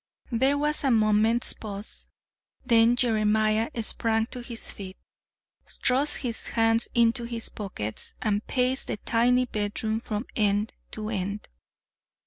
There was a moment's pause; then Jeremiah sprang to his feet, thrust his hands into his pockets, and paced the tiny bedroom from end to end.